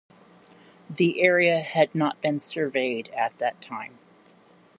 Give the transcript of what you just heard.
The area had not been surveyed at that time.